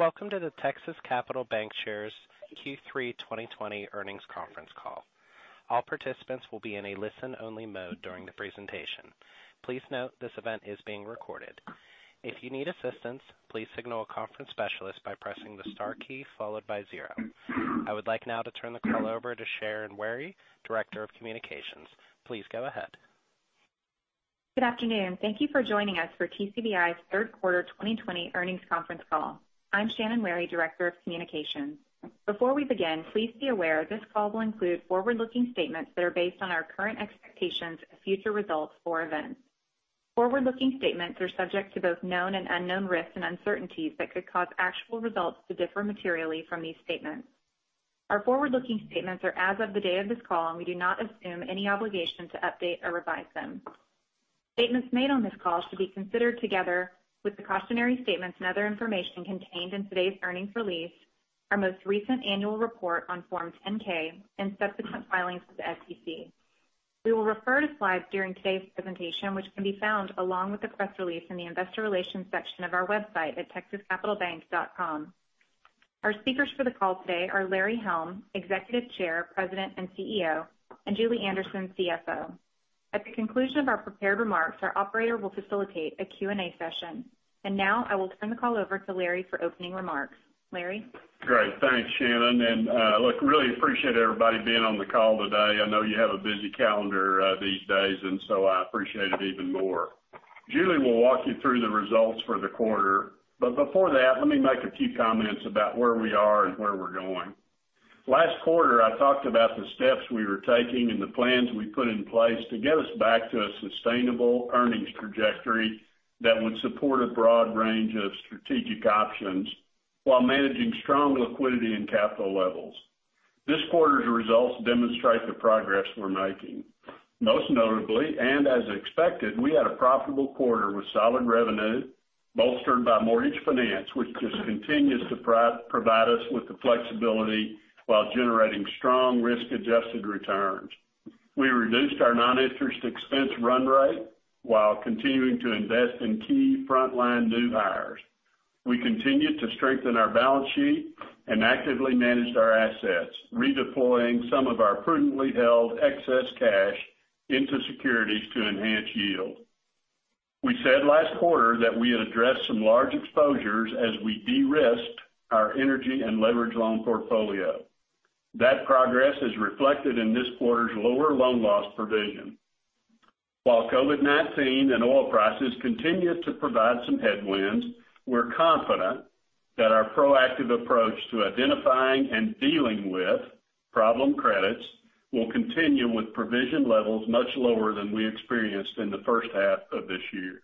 Welcome to the Texas Capital Bancshares Q3 2020 earnings conference call. All participants will be in a listen-only mode during the presentation. Please note this event is being recorded. If you need assistance, please signal a conference specialist by pressing the star key followed by zero. I would like now to turn the call over to Shannon Wherry, Director of Communications. Please go ahead. Good afternoon. Thank you for joining us for TCBI's third quarter 2020 earnings conference call. I'm Shannon Wherry, Director of Communications. Before we begin, please be aware this call will include forward-looking statements that are based on our current expectations of future results or events. Forward-looking statements are subject to both known and unknown risks and uncertainties that could cause actual results to differ materially from these statements. Our forward-looking statements are as of the day of this call, and we do not assume any obligation to update or revise them. Statements made on this call should be considered together with the cautionary statements and other information contained in today's earnings release, our most recent annual report on Forms 10-K, and subsequent filings with the SEC. We will refer to slides during today's presentation, which can be found along with the press release in the investor relations section of our website at texascapitalbank.com. Our speakers for the call today are Larry Helm, Executive Chair, President, and CEO, and Julie Anderson, CFO. At the conclusion of our prepared remarks, our operator will facilitate a Q&A session. Now I will turn the call over to Larry for opening remarks. Larry? Great. Thanks, Shannon. Look, really appreciate everybody being on the call today. I know you have a busy calendar these days, and so I appreciate it even more. Julie will walk you through the results for the quarter. Before that, let me make a few comments about where we are and where we're going. Last quarter, I talked about the steps we were taking and the plans we put in place to get us back to a sustainable earnings trajectory that would support a broad range of strategic options while managing strong liquidity and capital levels. This quarter's results demonstrate the progress we're making. Most notably, and as expected, we had a profitable quarter with solid revenue bolstered by mortgage finance, which just continues to provide us with the flexibility while generating strong risk-adjusted returns. We reduced our non-interest expense run rate while continuing to invest in key frontline new hires. We continued to strengthen our balance sheet and actively managed our assets, redeploying some of our prudently held excess cash into securities to enhance yield. We said last quarter that we had addressed some large exposures as we de-risked our energy and leverage loan portfolio. That progress is reflected in this quarter's lower loan loss provision. While COVID-19 and oil prices continue to provide some headwinds, we're confident that our proactive approach to identifying and dealing with problem credits will continue with provision levels much lower than we experienced in the first half of this year.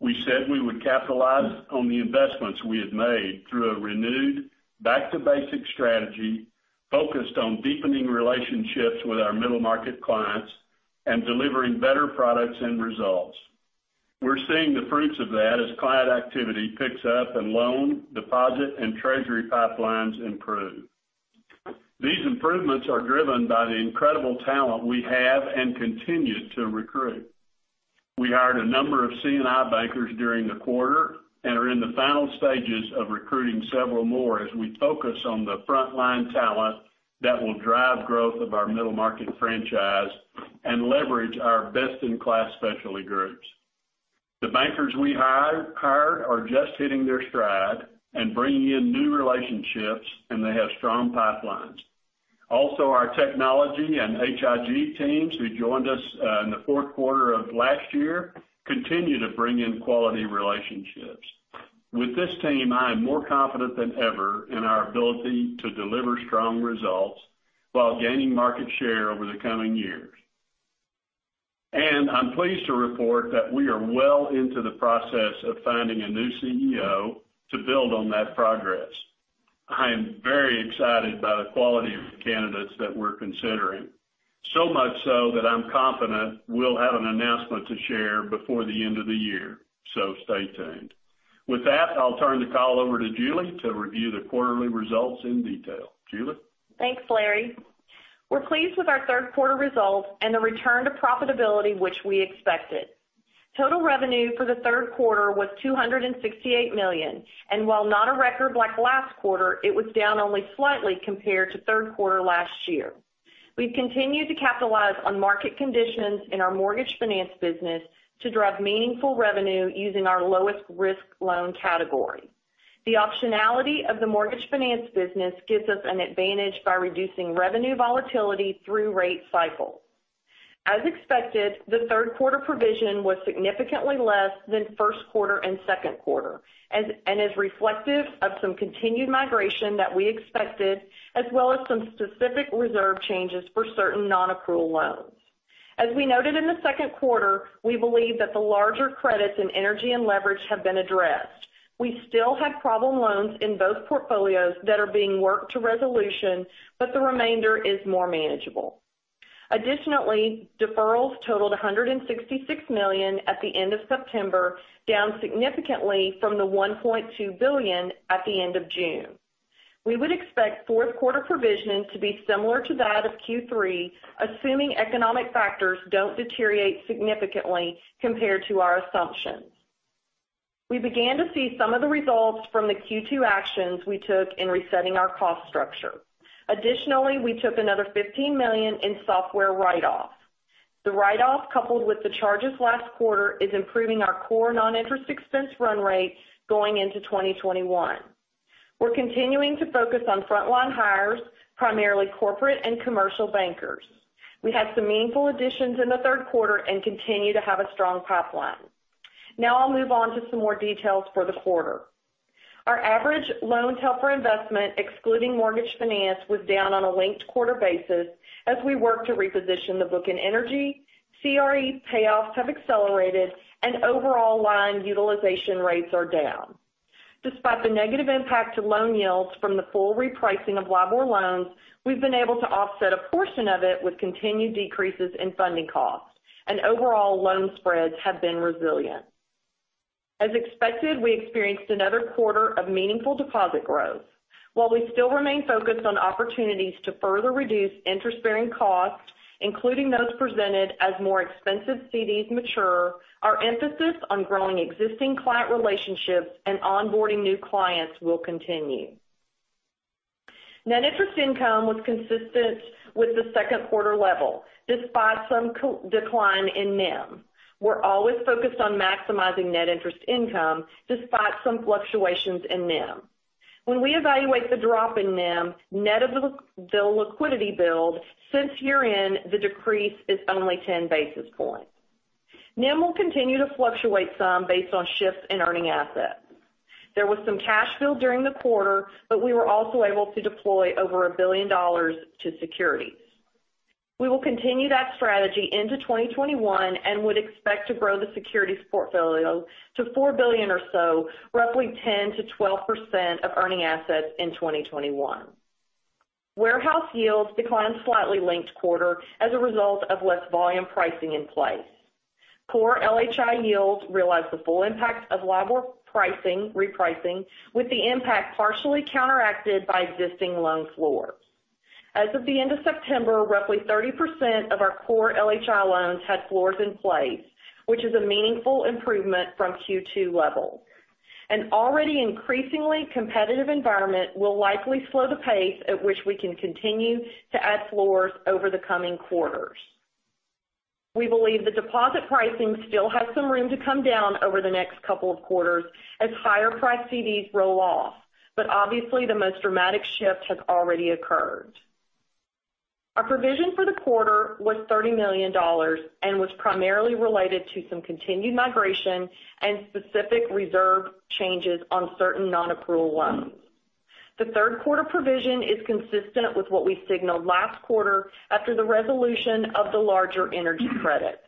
We said we would capitalize on the investments we had made through a renewed back-to-basics strategy focused on deepening relationships with our middle-market clients and delivering better products and results. We're seeing the fruits of that as client activity picks up and loan, deposit, and treasury pipelines improve. These improvements are driven by the incredible talent we have and continue to recruit. We hired a number of C&I bankers during the quarter and are in the final stages of recruiting several more as we focus on the frontline talent that will drive growth of our middle market franchise and leverage our best-in-class specialty groups. The bankers we hired are just hitting their stride and bringing in new relationships, and they have strong pipelines. Also, our technology and HIG teams, who joined us in the fourth quarter of last year, continue to bring in quality relationships. With this team, I am more confident than ever in our ability to deliver strong results while gaining market share over the coming years. I'm pleased to report that we are well into the process of finding a new CEO to build on that progress. I am very excited by the quality of the candidates that we're considering. Much so that I'm confident we'll have an announcement to share before the end of the year. Stay tuned. With that, I'll turn the call over to Julie to review the quarterly results in detail. Julie? Thanks, Larry. We're pleased with our third quarter results and the return to profitability, which we expected. Total revenue for the third quarter was $268 million, and while not a record like last quarter, it was down only slightly compared to third quarter last year. We've continued to capitalize on market conditions in our mortgage finance business to drive meaningful revenue using our lowest risk loan category. The optionality of the mortgage finance business gives us an advantage by reducing revenue volatility through rate cycles. As expected, the third quarter provision was significantly less than first quarter and second quarter and is reflective of some continued migration that we expected, as well as some specific reserve changes for certain non-accrual loans. As we noted in the second quarter, we believe that the larger credits in energy and leverage have been addressed. We still have problem loans in both portfolios that are being worked to resolution, but the remainder is more manageable. Additionally, deferrals totaled $166 million at the end of September, down significantly from the $1.2 billion at the end of June. We would expect fourth quarter provision to be similar to that of Q3, assuming economic factors don't deteriorate significantly compared to our assumptions. We began to see some of the results from the Q2 actions we took in resetting our cost structure. Additionally, we took another $15 million in software write-off. The write-off, coupled with the charges last quarter, is improving our core non-interest expense run rates going into 2021. We're continuing to focus on frontline hires, primarily corporate and commercial bankers. We had some meaningful additions in the third quarter and continue to have a strong pipeline. Now I'll move on to some more details for the quarter. Our average loans held for investment, excluding mortgage finance, was down on a linked-quarter basis as we work to reposition the book in energy, CRE payoffs have accelerated, and overall line utilization rates are down. Despite the negative impact to loan yields from the full repricing of LIBOR loans, we've been able to offset a portion of it with continued decreases in funding costs. Overall loan spreads have been resilient. As expected, we experienced another quarter of meaningful deposit growth. While we still remain focused on opportunities to further reduce interest-bearing costs, including those presented as more expensive CDs mature, our emphasis on growing existing client relationships and onboarding new clients will continue. Net interest income was consistent with the second quarter level, despite some decline in NIM. We're always focused on maximizing net interest income, despite some fluctuations in NIM. When we evaluate the drop in NIM, net of the liquidity build, since year-end, the decrease is only 10 basis points. NIM will continue to fluctuate some based on shifts in earning assets. There was some cash build during the quarter, but we were also able to deploy over $1 billion to securities. We will continue that strategy into 2021 and would expect to grow the securities portfolio to $4 billion or so, roughly 10%-12% of earning assets in 2021. Warehouse yields declined slightly linked quarter as a result of less volume pricing in place. Core LHI yields realized the full impact of LIBOR repricing, with the impact partially counteracted by existing loan floors. As of the end of September, roughly 30% of our core LHI loans had floors in place, which is a meaningful improvement from Q2 levels. An already increasingly competitive environment will likely slow the pace at which we can continue to add floors over the coming quarters. We believe the deposit pricing still has some room to come down over the next couple of quarters as higher-priced CDs roll off. Obviously, the most dramatic shift has already occurred. Our provision for the quarter was $30 million and was primarily related to some continued migration and specific reserve changes on certain non-accrual loans. The third quarter provision is consistent with what we signaled last quarter after the resolution of the larger energy credit.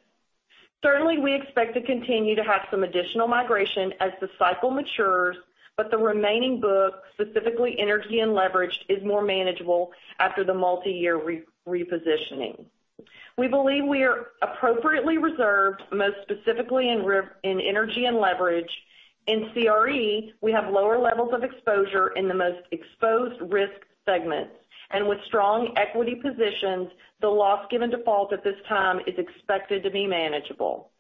Certainly, we expect to continue to have some additional migration as the cycle matures, but the remaining book, specifically energy and leveraged, is more manageable after the multi-year repositioning. We believe we are appropriately reserved, most specifically in energy and leverage. In CRE, we have lower levels of exposure in the most exposed risk segments, and with strong equity positions, the loss given default at this time is expected to be manageable.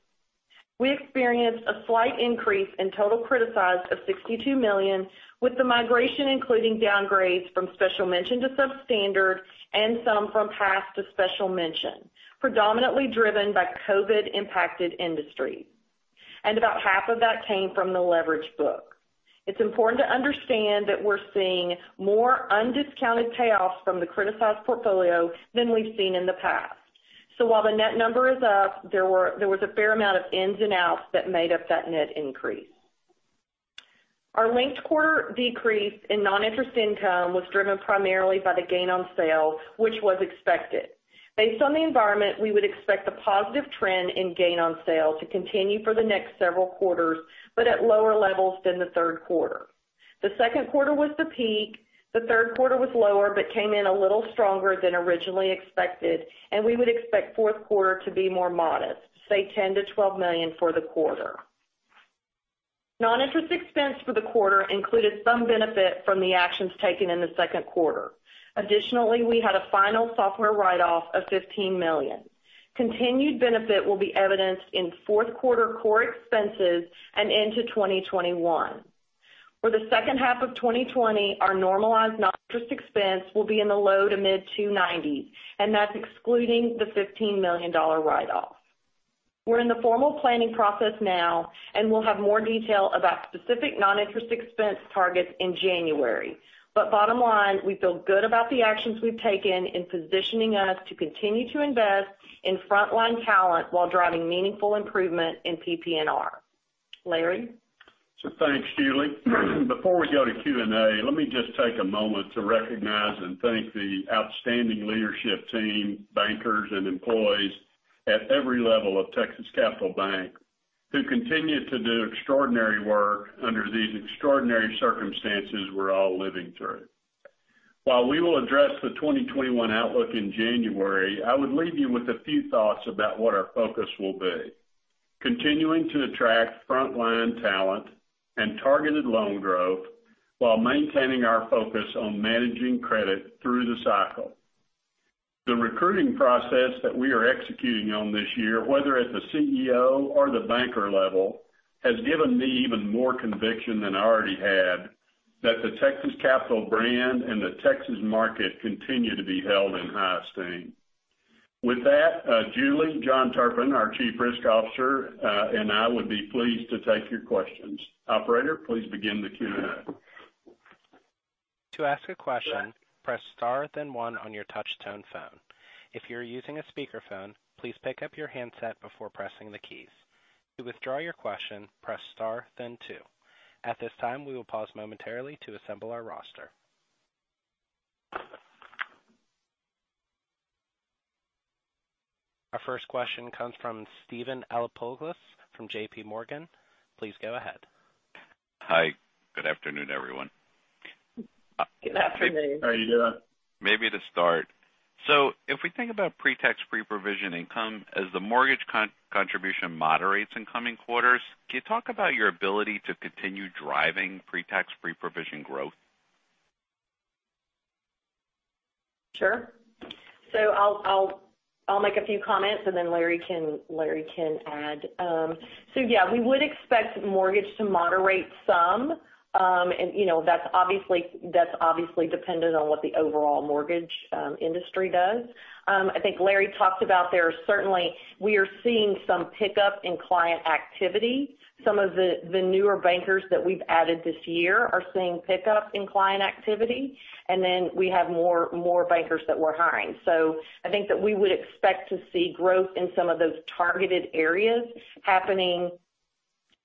We experienced a slight increase in total criticized of $62 million, with the migration including downgrades from special mention to substandard and some from past to special mention, predominantly driven by COVID impacted industries. About half of that came from the leverage book. It's important to understand that we're seeing more undiscounted payoffs from the criticized portfolio than we've seen in the past. While the net number is up, there was a fair amount of ins and outs that made up that net increase. Our linked quarter decrease in non-interest income was driven primarily by the gain on sale, which was expected. Based on the environment, we would expect the positive trend in gain on sale to continue for the next several quarters, but at lower levels than the third quarter. The second quarter was the peak, the third quarter was lower, but came in a little stronger than originally expected. We would expect fourth quarter to be more modest, say $10 million-$12 million for the quarter. Non-interest expense for the quarter included some benefit from the actions taken in the second quarter. Additionally, we had a final software write-off of $15 million. Continued benefit will be evidenced in fourth quarter core expenses and into 2021. For the second half of 2020, our normalized non-interest expense will be in the low to mid 290s. That's excluding the $15 million write-off. We're in the formal planning process now. We'll have more details about specific non-interest expense targets in January. Bottom line, we feel good about the actions we've taken in positioning us to continue to invest in frontline talent while driving meaningful improvement in PPNR. Larry? Thanks, Julie. Before we go to Q&A, let me just take a moment to recognize and thank the outstanding leadership team, bankers, and employees at every level of Texas Capital Bank who continue to do extraordinary work under these extraordinary circumstances we're all living through. While we will address the 2021 outlook in January, I would leave you with a few thoughts about what our focus will be. Continuing to attract frontline talent and targeted loan growth while maintaining our focus on managing credit through the cycle. The recruiting process that we are executing on this year, whether at the CEO or the banker level, has given me even more conviction than I already had that the Texas Capital brand and the Texas market continue to be held in high esteem. With that, Julie, John Turpen, our Chief Risk Officer, and I would be pleased to take your questions. Operator, please begin the Q&A. To ask a question, please press star then one on your touch-tone phone. If you are using a speakerphone, please pick up your handset before pressing the key. To withdraw your question, press star then two. At this time, we will pause momentarily to assemble our roster. Our first question comes from Steven Alexopoulos from JPMorgan. Please go ahead. Hi. Good afternoon, everyone. Good afternoon. How are you doing? Maybe to start. If we think about pre-tax pre-provision income, as the mortgage contribution moderates in coming quarters, can you talk about your ability to continue driving pre-tax pre-provision growth? Sure. I'll make a few comments, and then Larry can add. Yeah, we would expect mortgage to moderate some. That's obviously dependent on what the overall mortgage industry does. I think Larry talked about there certainly, we are seeing some pickup in client activity. Some of the newer bankers that we've added this year are seeing pickup in client activity, and then we have more bankers that we're hiring. I think that we would expect to see growth in some of those targeted areas happening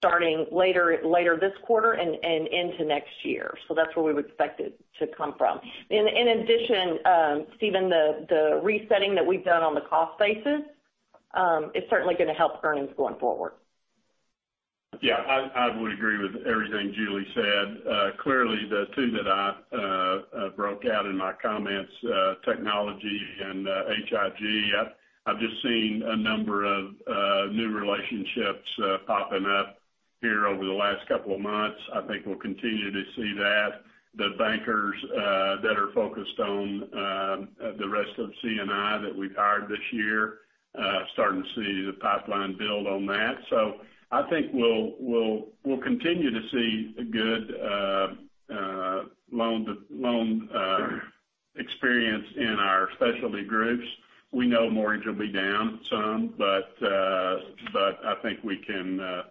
starting later this quarter and into next year. That's where we would expect it to come from. In addition, Steven, the resetting that we've done on the cost basis, is certainly going to help earnings going forward. Yeah, I would agree with everything Julie said. Clearly, the two that I broke out in my comments, technology and HIG, I've just seen a number of new relationships popping up here over the last couple of months. I think we'll continue to see that. The bankers that are focused on the rest of C&I that we've hired this year, starting to see the pipeline build on that. I think we'll continue to see a good loan experience in our specialty groups. We know mortgage will be down some. I think we can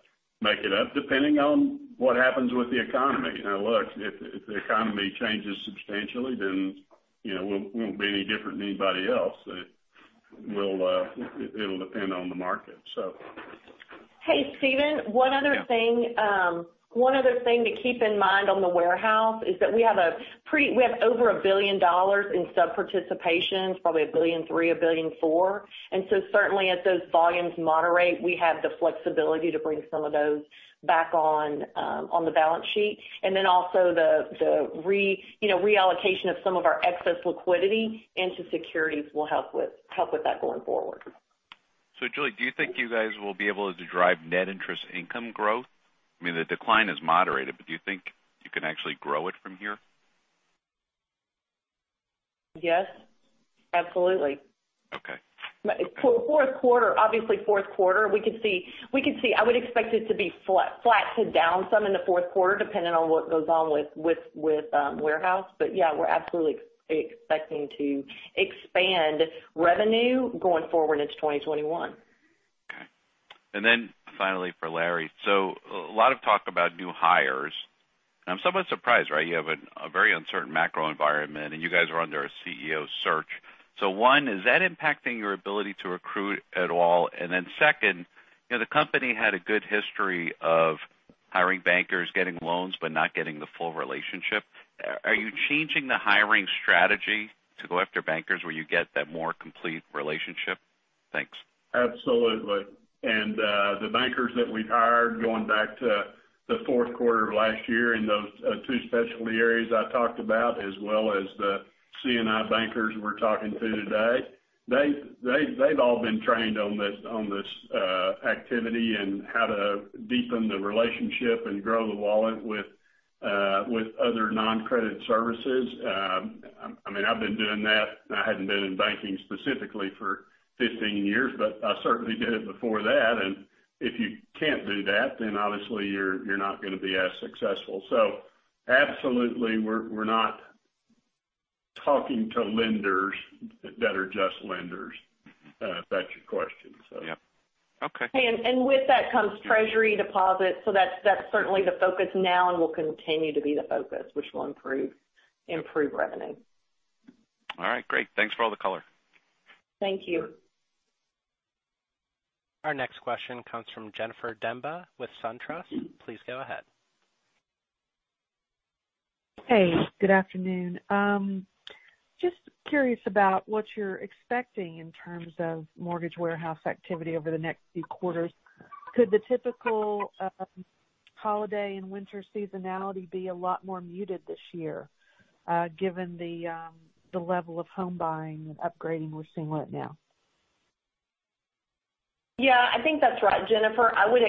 make it up, depending on what happens with the economy. Now look, if the economy changes substantially, then we won't be any different than anybody else. It'll depend on the market. Hey, Steven, one other thing to keep in mind on the warehouse is that we have over $1 billion in sub-participation, probably $1.3 billion, $1.4 billion. Certainly, as those volumes moderate, we have the flexibility to bring some of those back on the balance sheet. Also, the reallocation of some of our excess liquidity into securities will help with that going forward. Julie, do you think you guys will be able to drive net interest income growth? I mean, the decline is moderated, but do you think you can actually grow it from here? Yes. Absolutely. Okay. Fourth quarter, obviously fourth quarter, we could see, I would expect it to be flat to down some in the fourth quarter, depending on what goes on with the warehouse. Yeah, we're absolutely expecting to expand revenue going forward into 2021. Okay. Finally for Larry, a lot of talk about new hires, and I'm somewhat surprised, right? You have a very uncertain macro environment, and you guys are under a CEO search. One, is that impacting your ability to recruit at all? Second, the company had a good history of hiring bankers, getting loans, but not getting the full relationship. Are you changing the hiring strategy to go after bankers where you get that more complete relationship? Thanks. Absolutely. The bankers that we hired going back to the fourth quarter of last year in those two specialty areas I talked about as well as the C&I bankers we're talking to today, they've all been trained on this activity and how to deepen the relationship and grow the wallet with other non-credit services. I've been doing that. I hadn't been in banking specifically for 15 years, but I certainly did it before that. If you can't do that, obviously you're not going to be as successful. Absolutely, we're not talking to lenders that are just lenders, if that's your question. Yep. Okay. With that comes treasury deposits. That's certainly the focus now and will continue to be the focus, which will improve revenue. All right. Great. Thanks for all the color. Thank you. Our next question comes from Jennifer Demba with SunTrust. Please go ahead. Hey, good afternoon. Just curious about what you're expecting in terms of mortgage warehouse activity over the next few quarters? Could the typical holiday and winter seasonality be a lot more muted this year, given the level of home buying and upgrading we're seeing right now? Yeah, I think that's right, Jennifer. I would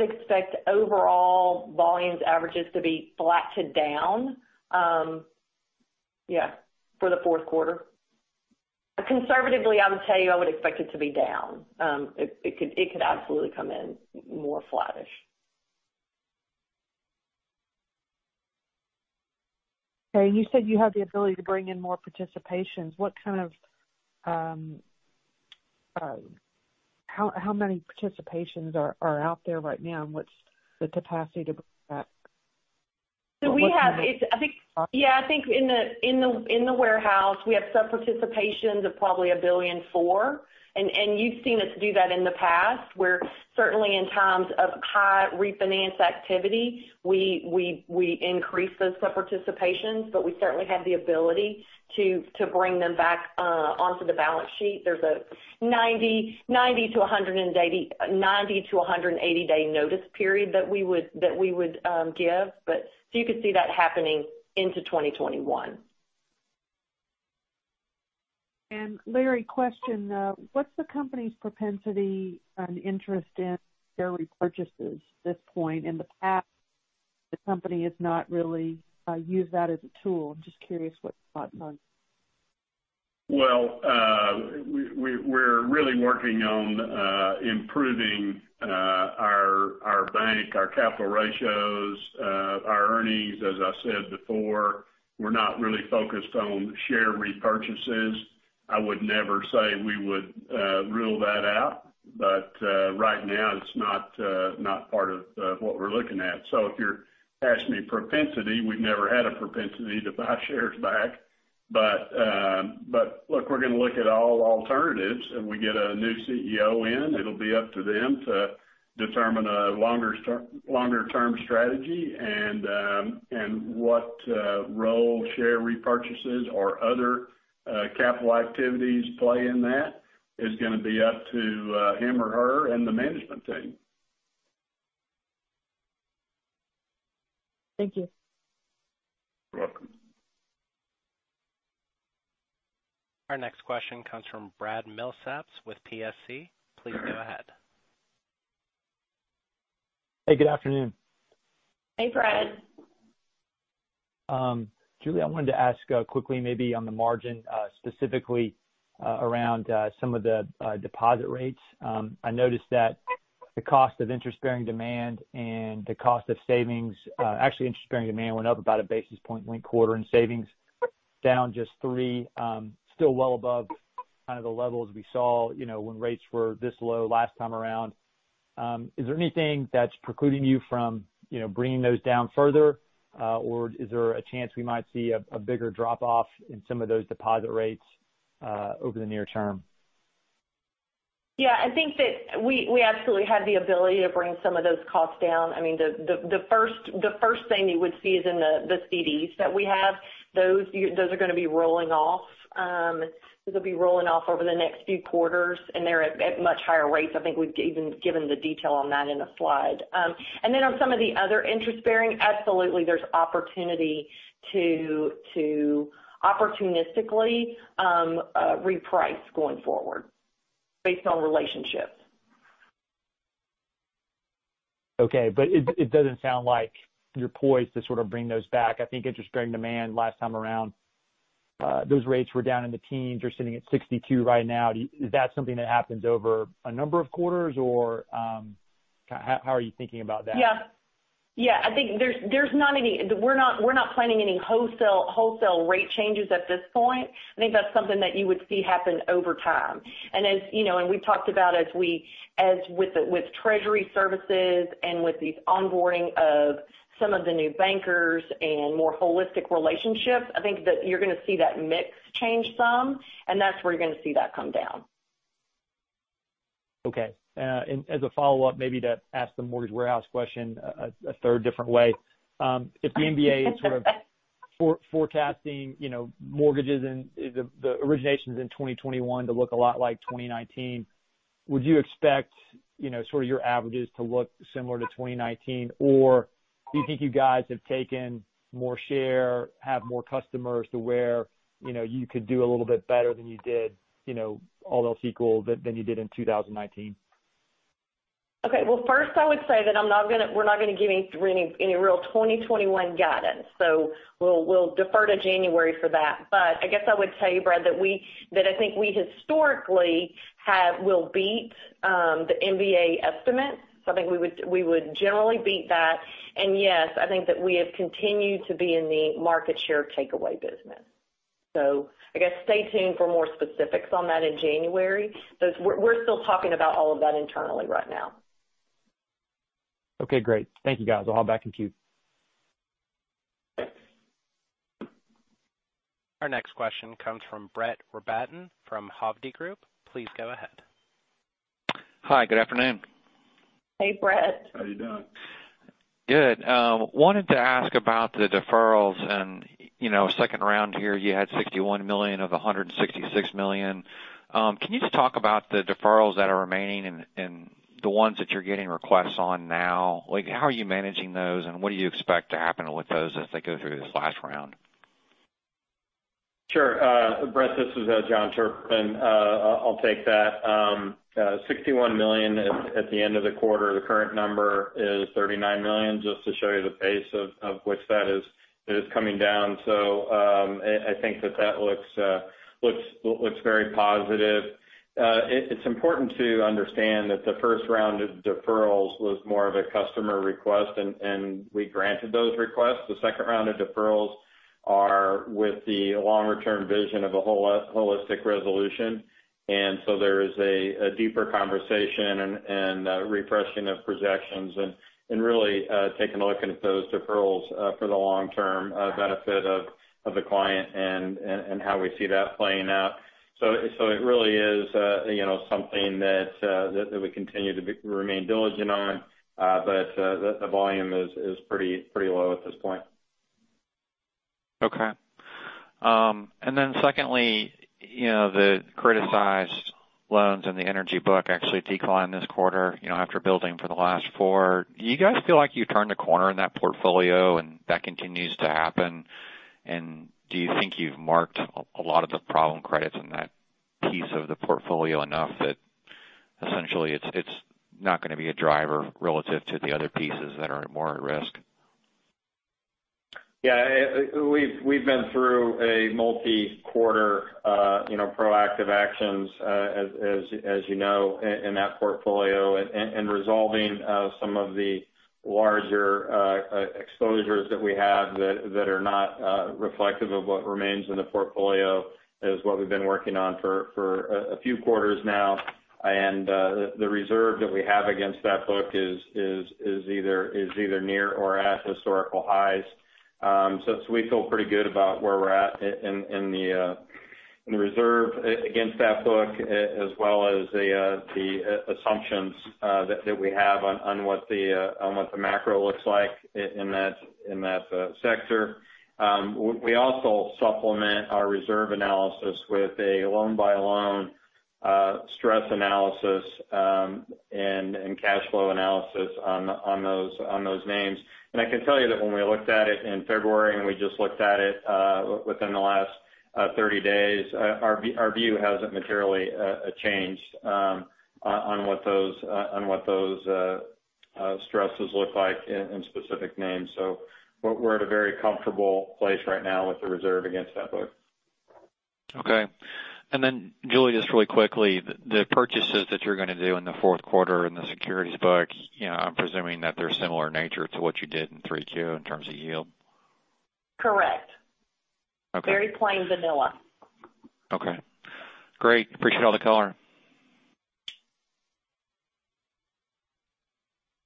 expect overall volumes averages to be flat to down. Yeah, for the fourth quarter. Conservatively, I would tell you I would expect it to be down. It could absolutely come in more flattish. Okay. You said you have the ability to bring in more participations. How many participations are out there right now, and what's the capacity to bring that back? Yeah, I think in the warehouse, we have sub-participations of probably $1.4 billion. You've seen us do that in the past, where certainly in times of high refinance activity, we increase those sub-participations. We certainly have the ability to bring them back onto the balance sheet. There's a 90-180-day notice period that we would give, but you could see that happening into 2021. Larry, question. What's the company's propensity and interest in share repurchases at this point? In the past, the company has not really used that as a tool. I'm just curious what your thoughts are. Well, we're really working on improving our bank, our capital ratios, our earnings. As I said before, we're not really focused on share repurchases. I would never say we would rule that out. Right now, it's not part of what we're looking at. If you're asking me, propensity, we've never had a propensity to buy shares back. Look, we're going to look at all alternatives. If we get a new CEO in, it'll be up to them to determine a longer-term strategy and what role share repurchases or other capital activities play in that is going to be up to him or her and the management team. Thank you. You're welcome. Our next question comes from Brad Milsaps with PSC. Please go ahead. Hey, good afternoon. Hey, Brad. Julie, I wanted to ask quickly, maybe on the margin, specifically around some of the deposit rates. I noticed that the cost of interest-bearing demand went up about a basis point linked quarter and savings down just three. Still well above the levels we saw when rates were this low last time around. Is there anything that's precluding you from bringing those down further? Or is there a chance we might see a bigger drop-off in some of those deposit rates over the near term? I think that we absolutely have the ability to bring some of those costs down. The first thing you would see is in the CDs that we have. Those are going to be rolling off over the next few quarters, and they're at much higher rates. I think we've even given the detail on that in a slide. On some of the other interest-bearing, absolutely, there's opportunity to opportunistically reprice going forward based on relationships. Okay. It doesn't sound like you're poised to bring those back. I think interest-bearing demand last time around, those rates were down in the teens. You're sitting at 62 right now. Is that something that happens over a number of quarters, or how are you thinking about that? Yeah. I think we're not planning any wholesale rate changes at this point. I think that's something that you would see happen over time. We've talked about as with treasury services and with the onboarding of some of the new bankers and more holistic relationships, I think that you're going to see that mix change some, and that's where you're going to see that come down. Okay. As a follow-up, maybe to ask the mortgage warehouse question a third different way. If the MBA is forecasting mortgages and the originations in 2021 to look a lot like 2019, would you expect your averages to look similar to 2019? Do you think you guys have taken more share, have more customers so that you could do a little bit better than you did, all else equal, than you did in 2019? Okay. Well, first, I would say that we're not going to give any real 2021 guidance. We'll defer to January for that. I guess I would tell you, Brad, that I think we historically will beat the MBA estimate. I think we would generally beat that. Yes, I think that we have continued to be in the market share takeaway business. I guess stay tuned for more specifics on that in January. We're still talking about all of that internally right now. Okay, great. Thank you, guys. I'll hop back in queue. Our next question comes from Brett Rabatin from Hovde Group. Please go ahead. Hi, good afternoon. Hey, Brett. How you doing? Good. Wanted to ask about the deferrals and second round here; you had $61 million of the $166 million. Can you just talk about the deferrals that are remaining and the ones that you're getting requests on now? How are you managing those, and what do you expect to happen with those as they go through this last round? Sure. Brett, this is John Turpen. I'll take that. $61 million at the end of the quarter. The current number is $39 million, just to show you the pace of which that is coming down. I think that looks very positive. It's important to understand that the first round of deferrals was more of a customer request, and we granted those requests. The second round of deferrals are with the longer-term vision of a holistic resolution. There is a deeper conversation and a refreshing of projections and really taking a look at those deferrals for the long-term benefit of the client and how we see that playing out. It really is something that we continue to remain diligent on. The volume is pretty low at this point. Okay. Secondly, the criticized loans in the energy book actually declined this quarter after building for the last four. Do you guys feel like you turned a corner in that portfolio and that continues to happen? Do you think you've marked a lot of the problem credits in that piece of the portfolio enough that essentially it's not going to be a driver relative to the other pieces that are more at risk? Yeah. We've been through a multi-quarter proactive action, as you know, in that portfolio. Resolving some of the larger exposures that we have that are not reflective of what remains in the portfolio is what we've been working on for a few quarters now. The reserve that we have against that book is either near or at historical highs. We feel pretty good about where we're at in the reserve against that book, as well as the assumptions that we have on what the macro looks like in that sector. We also supplement our reserve analysis with a loan-by-loan stress analysis and cash flow analysis on those names. I can tell you that when we looked at it in February, and we just looked at it within the last 30 days, our view hasn't materially changed on what those stresses look like in specific names. We're at a very comfortable place right now with the reserve against that book. Okay. Julie, just really quickly, the purchases that you're going to do in the fourth quarter in the securities book, I'm presuming that they're similar in nature to what you did in Q3 in terms of yield? Correct. Okay. Very plain vanilla. Okay. Great. Appreciate all the color.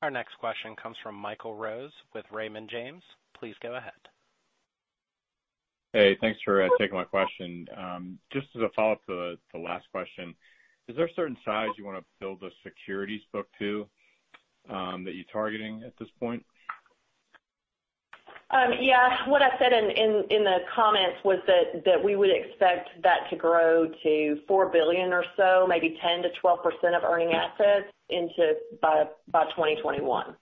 Our next question comes from Michael Rose with Raymond James. Please go ahead. Hey, thanks for taking my question. Just as a follow-up to the last question, is there a certain size you want to build the securities book to that you're targeting at this point? Yeah. What I said in the comments was that we would expect that to grow to $4 billion or so, maybe 10%-12% of earning assets by 2021.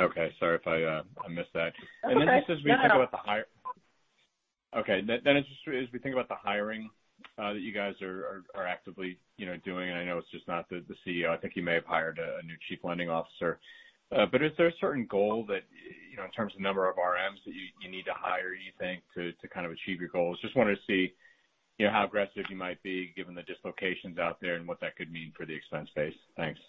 Okay. Sorry if I missed that. That's okay. No, no. As we think about the hiring that you guys are actively doing, and I know it's just not the CEO. I think you may have hired a new chief lending officer. Is there a certain goal in terms of the number of RMs that you need to hire, you think, to kind of achieve your goals? Just wanted to see how aggressive you might be given the dislocations out there and what that could mean for the expense base. Thanks.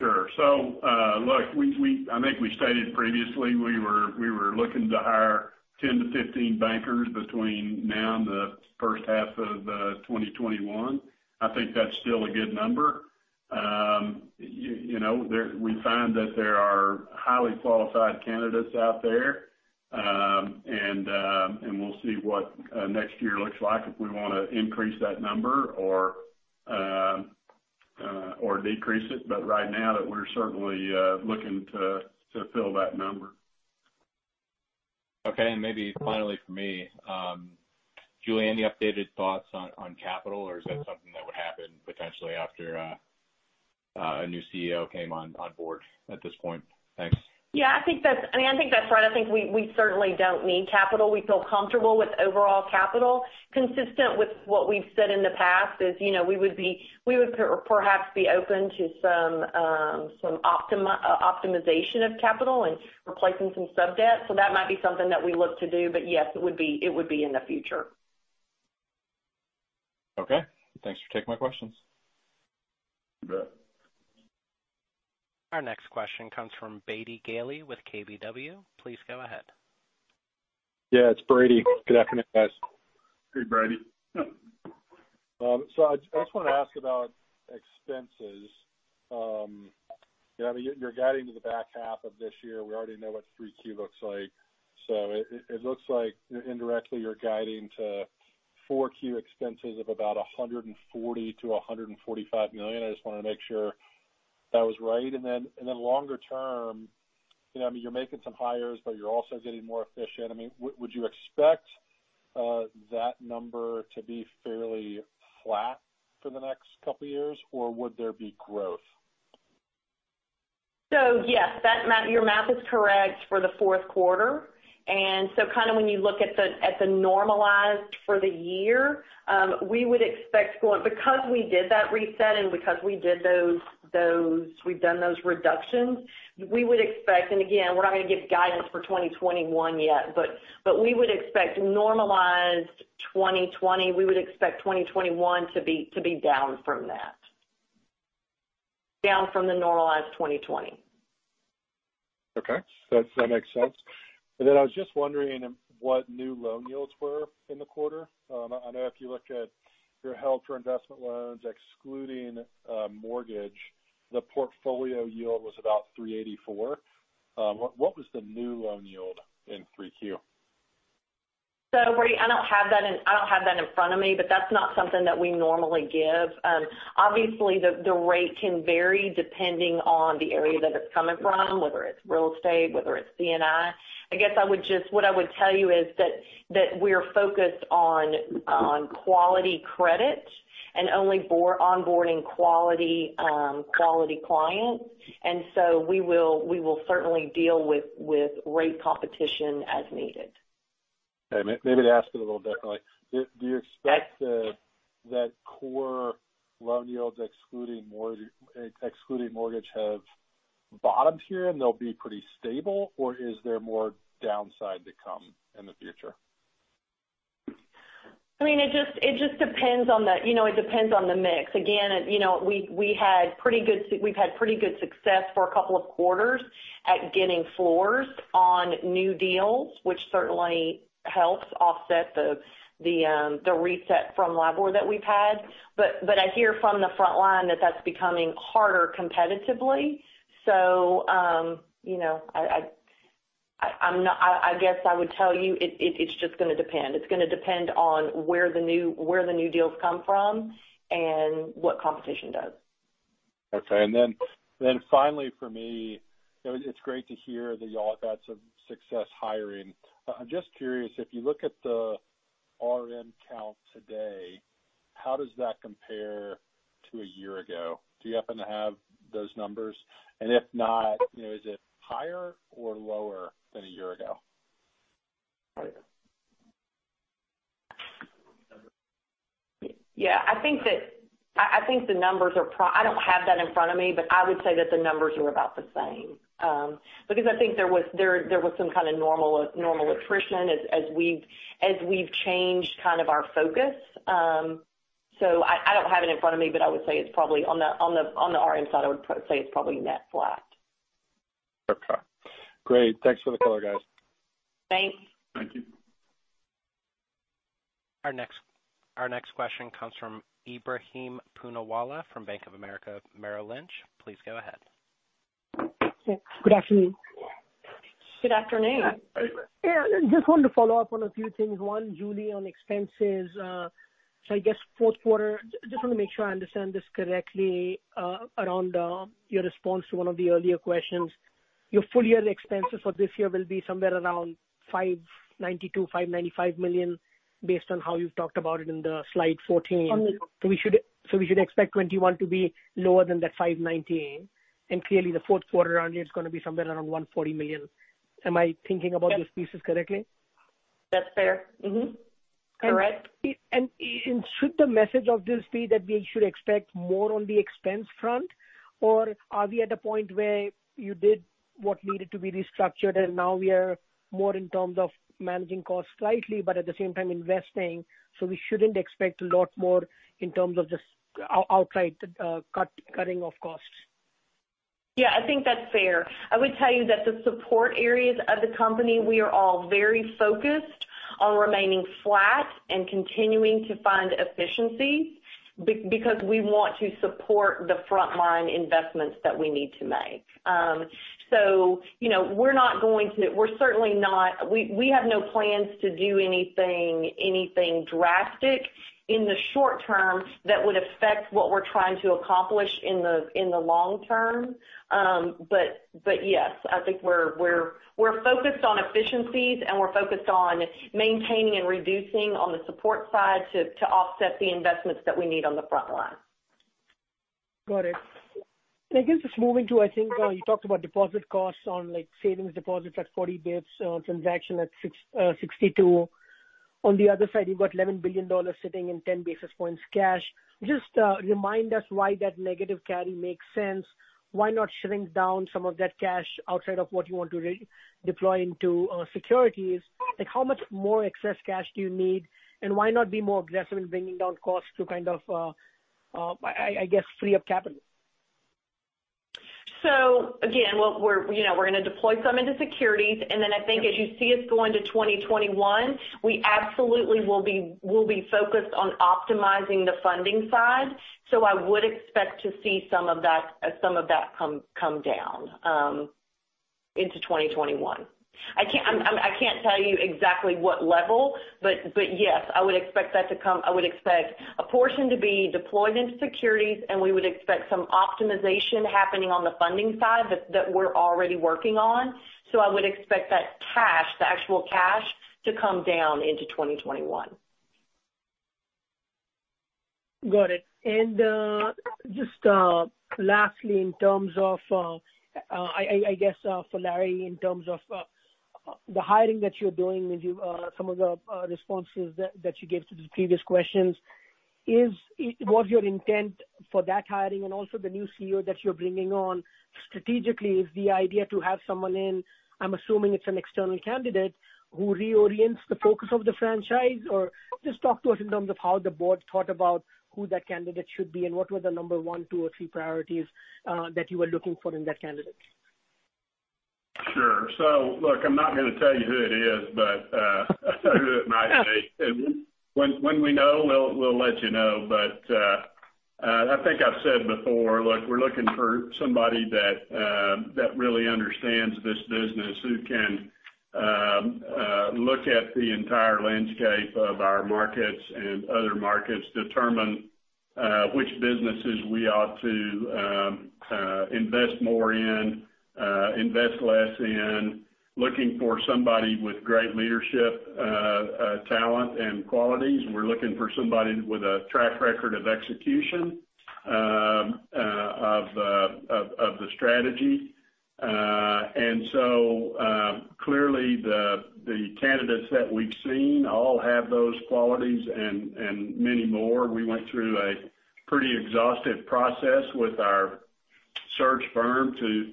Sure. Look, I think we stated previously, we were looking to hire 10-15 bankers between now and the first half of 2021. I think that's still a good number. We find that there are highly qualified candidates out there. We'll see what next year looks like if we want to increase that number or decrease it. Right now, we're certainly looking to fill that number. Okay. Maybe finally from me, Julie, any updated thoughts on capital, or is that something that would happen potentially after a new CEO came on board at this point? Thanks. Yeah, I think that's right. I think we certainly don't need capital. We feel comfortable with overall capital. Consistent with what we've said in the past is we would perhaps be open to some optimization of capital and replacing some sub-debt. That might be something that we look to do. Yes, it would be in the future. Okay. Thanks for taking my questions. You bet. Our next question comes from Brady Gailey with KBW. Please go ahead. Yeah, it's Brady. Good afternoon, guys. Hey, Brady. I just want to ask about expenses. You're guiding to the back half of this year. We already know what Q3 looks like. It looks like indirectly you're guiding to Q4 expenses of about $140 million-$145 million. I just wanted to make sure that was right. Then longer term, you're making some hires, but you're also getting more efficient. Would you expect that number to be fairly flat for the next couple of years, or would there be growth? Yes, your math is correct for the fourth quarter. When you look at the normalized for the year, because we did that reset and because we've done those reductions, we would expect, and again, we're not going to give guidance for 2021 yet, but we would expect normalized 2020. We would expect 2021 to be down from that. Down from the normalized 2020. Okay. That makes sense. Then I was just wondering what new loan yields were in the quarter. I know if you look at your held for investment loans, excluding mortgage, the portfolio yield was about 384. What was the new loan yield in 3Q? Brady, I don't have that in front of me, but that's not something that we normally give. Obviously, the rate can vary depending on the area that it's coming from, whether it's real estate, whether it's C&I. I guess what I would tell you is that we're focused on quality credit and only onboarding quality clients. We will certainly deal with rate competition as needed. Okay. Maybe to ask it a little differently. Do you expect that core loan yields excluding mortgage have bottomed here and they'll be pretty stable, or is there more downside to come in the future? It just depends on the mix. Again, we've had pretty good success for a couple of quarters at getting floors on new deals, which certainly helps offset the reset from LIBOR that we've had. I hear from the front line that that's becoming harder competitively. I guess I would tell you, it's just going to depend. It's going to depend on where the new deals come from and what competition does. Okay. Finally for me, it's great to hear that you all have had some success hiring. I'm just curious, if you look at the RM count today, how does that compare to a year ago? Do you happen to have those numbers? If not, is it higher or lower than a year ago? Yeah. I don't have that in front of me, but I would say that the numbers are about the same. I think there was some kind of normal attrition as we've changed kind of our focus. I don't have it in front of me, but I would say it's probably on the RM side, I would say it's probably net flat. Okay, great. Thanks for the color, guys. Thanks. Thank you. Our next question comes from Ebrahim Poonawala from Bank of America Merrill Lynch. Please go ahead. Good afternoon. Good afternoon. Yeah. Just wanted to follow up on a few things. One, Julie, on expenses. I guess fourth quarter, just want to make sure I understand this correctly, around your response to one of the earlier questions. Your full-year expenses for this year will be somewhere around $592 million-$595 million based on how you've talked about it in the slide 14. We should expect 2021 to be lower than that $598 million. Clearly, the fourth quarter on it's going to be somewhere around $140 million. Am I thinking about those pieces correctly? That's fair. Mm-hmm. Correct. Should the message of this be that we should expect more on the expense front, or are we at a point where you did what needed to be restructured, and now we are more in terms of managing costs slightly, but at the same time investing, so we shouldn't expect a lot more in terms of this outright cutting of costs? Yeah, I think that's fair. I would tell you that the support areas of the company, we are all very focused on remaining flat and continuing to find efficiencies because we want to support the frontline investments that we need to make. We have no plans to do anything drastic in the short term that would affect what we're trying to accomplish in the long term. Yes, I think we're focused on efficiencies, and we're focused on maintaining and reducing on the support side to offset the investments that we need on the front line. Got it. I guess just moving to, I think you talked about deposit costs on savings deposits at 40 basis points, transaction at 62. On the other side, you've got $11 billion sitting in 10 basis points cash. Just remind us why that negative carry makes sense. Why not shrink down some of that cash outside of what you want to deploy into securities? How much more excess cash do you need, and why not be more aggressive in bringing down costs to kind of, I guess, free up capital? Again, we're going to deploy some into securities, and then I think as you see us go into 2021, we absolutely will be focused on optimizing the funding side. I would expect to see some of that come down into 2021. I can't tell you exactly what level, but yes, I would expect a portion to be deployed into securities, and we would expect some optimization happening on the funding side that we're already working on. I would expect that cash, the actual cash, to come down into 2021. Got it. Just lastly, in terms of, I guess for Larry, in terms of the hiring that you're doing, some of the responses that you gave to the previous questions, what's your intent for that hiring and also the new CEO that you're bringing on strategically, is the idea to have someone in, I'm assuming it's an external candidate, who reorients the focus of the franchise? Just talk to us in terms of how the board thought about who that candidate should be, and what were the number one, two, or three priorities that you were looking for in that candidate. Sure. Look, I'm not going to tell you who it is, but who it might be. When we know, we'll let you know. I think I've said before, look, we're looking for somebody that really understands this business, who can look at the entire landscape of our markets and other markets, determine which businesses we ought to invest more in, invest less in. Looking for somebody with great leadership talent and qualities. We're looking for somebody with a track record of execution of the strategy. Clearly, the candidates that we've seen all have those qualities and many more. We went through a pretty exhaustive process with our search firm to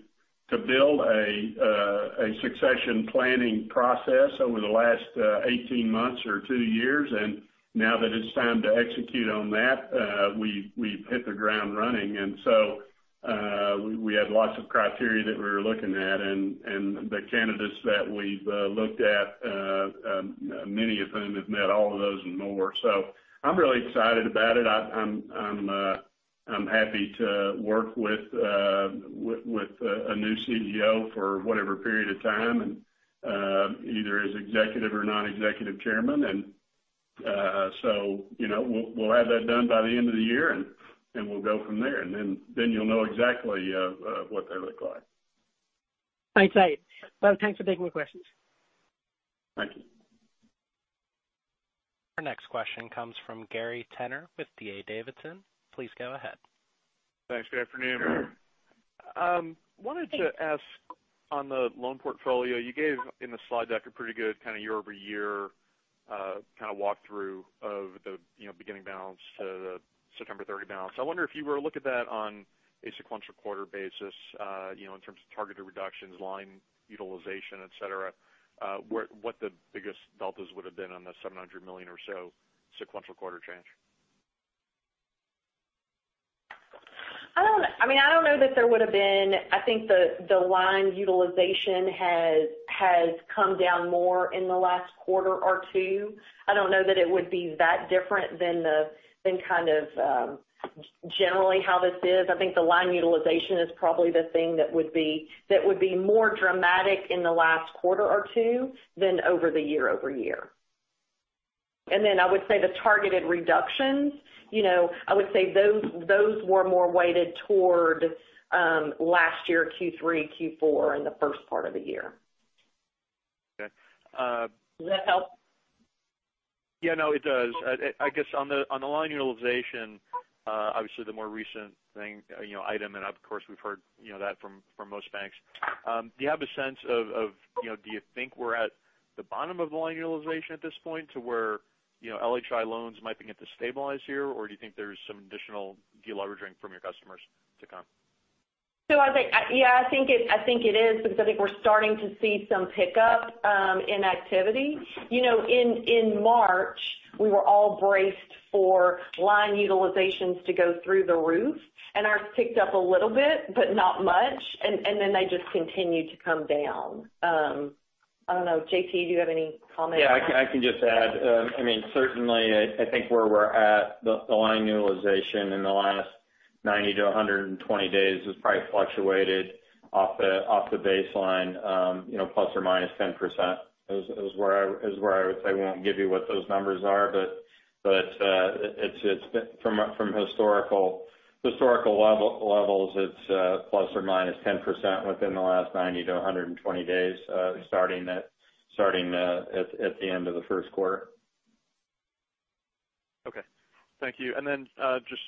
build a succession planning process over the last 18 months or two years. Now that it's time to execute on that, we've hit the ground running. We had lots of criteria that we were looking at. The candidates that we've looked at, many of whom have met all of those and more. I'm really excited about it. I'm happy to work with a new CEO for whatever period of time, and either as executive or non-executive chairman. We'll have that done by the end of the year, and we'll go from there, and then you'll know exactly what they look like. Thanks, Larry. Well, thanks for taking my questions. Thank you. Our next question comes from Gary Tenner with D.A. Davidson. Please go ahead. Thanks. Good afternoon. I wanted to ask on the loan portfolio. You gave in the slide deck a pretty good kind of year-over-year walkthrough of the beginning balance to the September 30 balance. I wonder if you were to look at that on a sequential quarter basis, in terms of targeted reductions, line utilization, et cetera, what the biggest deltas would've been on the $700 million or so sequential quarter change? I think the line utilization has come down more in the last quarter or two. I don't know that it would be that different than kind of generally how this is. I think the line utilization is probably the thing that would be more dramatic in the last quarter or two than over the year-over-year. I would say the targeted reductions, I would say those were more weighted toward last year, Q3, Q4, and the first part of the year. Okay. Does that help? Yeah, no, it does. I guess on the line utilization, obviously, the more recent item, and of course, we've heard that from most banks. Do you have a sense of, do you think we're at the bottom of the line utilization at this point, to where LHI loans might begin to stabilize here? Or do you think there's some additional deleveraging from your customers to come? I think, yeah. I think it is because I think we're starting to see some pickup in activity. In March, we were all braced for line utilization to go through the roof; ours ticked up a little bit, but not much. Then they just continued to come down. I don't know. JT, do you have any comments on that? Yeah, I can just add. Certainly, I think where we're at, the line utilization in the last 90 to 120 days has probably fluctuated off the baseline ±10%, is where I would say. We won't give you what those numbers are, but from historical levels, it's ±10% within the last 90 to 120 days, starting at the end of the first quarter. Okay. Thank you. Just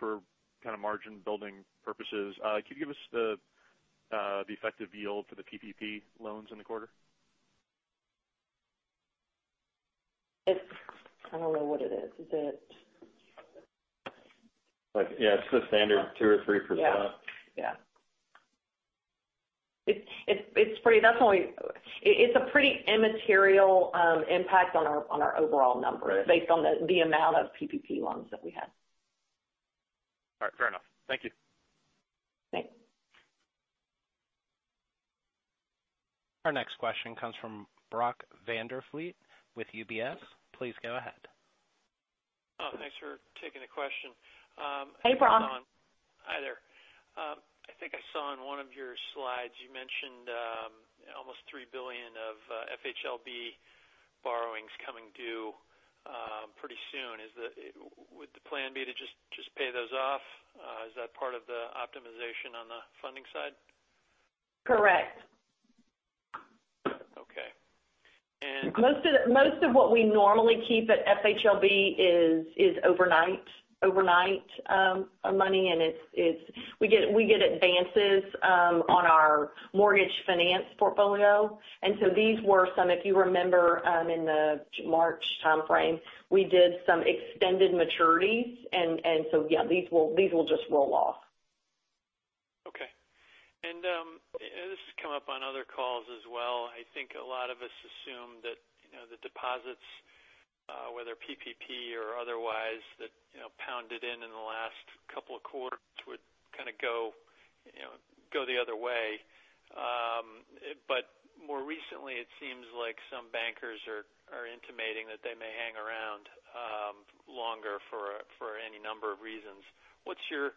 for kind of margin-building purposes, could you give us the effective yield for the PPP loans in the quarter? I don't know what it is. Is it? Yeah, it's the standard 2% or 3%. Yeah. It's a pretty immaterial impact on our overall numbers. Based on the amount of PPP loans that we have. All right, fair enough. Thank you. Thanks. Our next question comes from Brody Preston with UBS. Please go ahead. Thanks for taking the question. Hey, Brody. Hi there. I think I saw on one of your slides you mentioned almost $3 billion of FHLB borrowings coming due pretty soon. Would the plan be to just pay those off? Is that part of the optimization on the funding side? Most of what we normally keep at FHLB is overnight money, and we get advances on our mortgage finance portfolio. These were some, if you remember, in the March timeframe, we did some extended maturities. Yeah, these will just roll off. Okay. This has come up on other calls as well. I think a lot of us assume that the deposits, whether PPP or otherwise, that pounded in the last couple of quarters would kind of go the other way. But more recently, it seems like some bankers are intimating that they may hang around longer for any number of reasons. What's your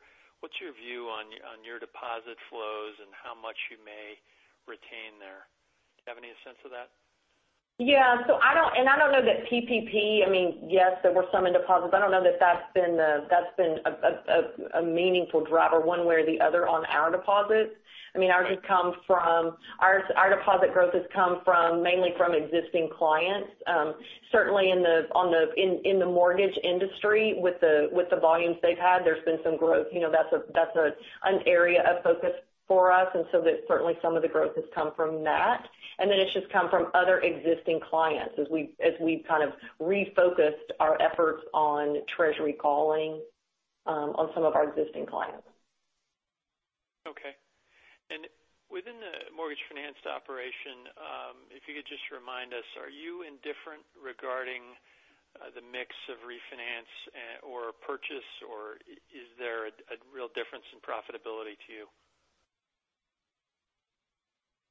view on your deposit flows and how much you may retain there? Do you have any sense of that? Yeah. I don't know that PPP, yes, there were some in deposits. I don't know that's been a meaningful driver one way or the other on our deposits. Our deposit growth has come mainly from existing clients. Certainly, in the mortgage industry, with the volumes they've had, there's been some growth. That's an area of focus for us. Certainly, some of the growth has come from that, and then it's just come from other existing clients as we've kind of refocused our efforts on treasury, calling on some of our existing clients. Okay. Within the mortgage finance operation, if you could just remind us, are you indifferent regarding the mix of refinance or purchase, or is there a real difference in profitability to you?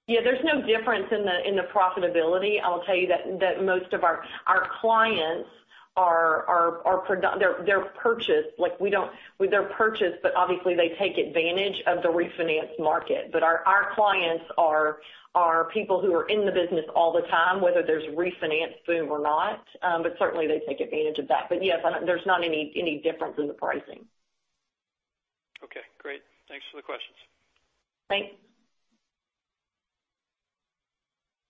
Yeah, there's no difference in the profitability. I'll tell you that most of our clients they're purchased, but obviously, they take advantage of the refinance market. Our clients are people who are in the business all the time, whether there's a refinance boom or not. Certainly, they take advantage of that. Yes, there's not any difference in the pricing. Okay, great. Thanks for the questions. Thanks.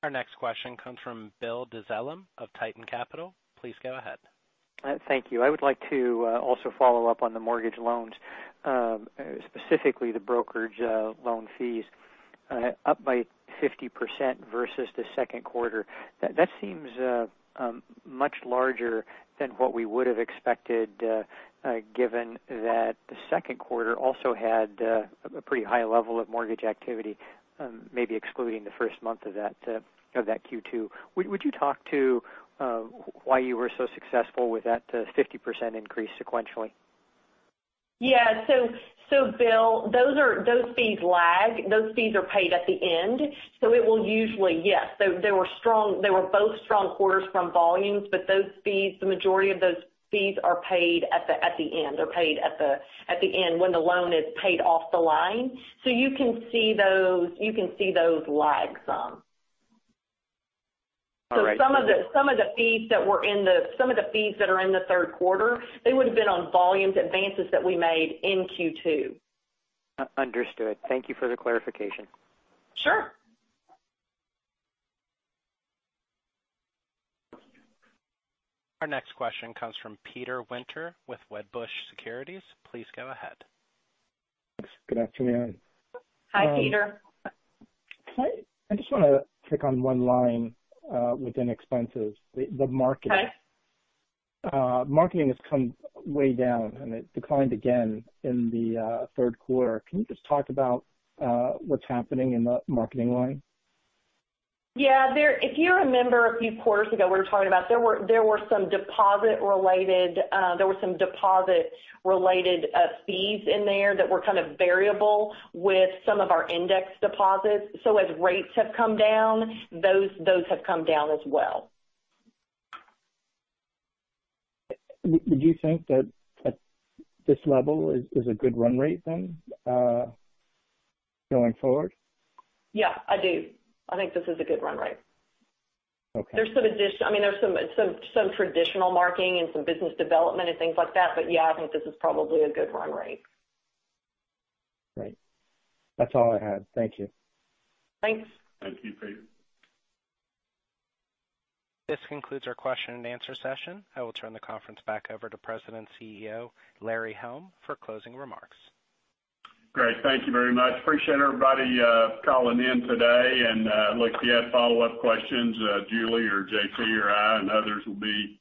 Our next question comes from Bill Dezellem of Tieton Capital. Please go ahead. Thank you. I would like to also follow up on the mortgage loans, specifically the brokerage loan fees up by 50% versus the second quarter. That seems much larger than what we would have expected, given that the second quarter also had a pretty high level of mortgage activity, maybe excluding the first month of that Q2. Would you talk to why you were so successful with that 50% increase sequentially? Yeah. Bill, those fees lag. Those fees are paid at the end. Yes. They were both strong quarters from volumes. Those fees, the majority of those fees are paid at the end when the loan is paid off the line. You can see those lag some. All right. Some of the fees that are in the third quarter, they would have been on volumes advances that we made in Q2. Understood. Thank you for the clarification. Sure. Our next question comes from Peter Winter with Wedbush Securities. Please go ahead. Good afternoon. Hi, Peter. I just want to click on one line within expenses, the marketing. Okay. Marketing has come way down, and it declined again in the third quarter. Can you just talk about what's happening in the marketing line? Yeah. If you remember a few quarters ago, we were talking about there were some deposit-related fees in there that were kind of variable with some of our index deposits. As rates have come down, those have come down as well. Would you think that this level is a good run rate then going forward? Yeah, I do. I think this is a good run rate. Okay. There's some traditional marketing and some business development and things like that. Yeah, I think this is probably a good run rate. Great. That's all I had. Thank you. Thanks. Thank you, Peter. This concludes our question and answer session. I will turn the conference back over to President and CEO, Larry Helm, for closing remarks. Great. Thank you very much. Appreciate everybody calling in today. Look, if you have follow-up questions, Julie or JT or I and others will be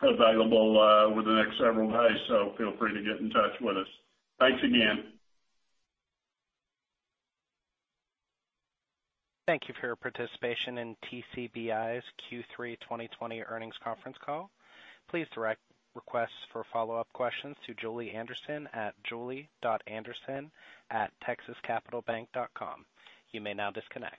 available over the next several days, so feel free to get in touch with us. Thanks again. Thank you for your participation in TCBI's Q3 2020 earnings conference call. Please direct requests for follow-up questions to Julie Anderson at julie.anderson@texascapitalbank.com. You may now disconnect.